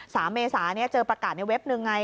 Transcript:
สามเมษาเจอประกาศในเว็บหนึ่งไง